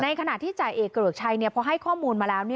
ในขณะที่จ่ายเอกกระดูกชัยเพราะให้ข้อมูลมาแล้ว